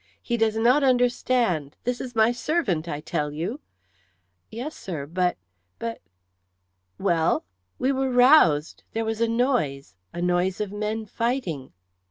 He does not understand. This is my servant, I tell you." "Yes, sir, but but " "Well?" "We were roused there was a noise a noise of men fighting."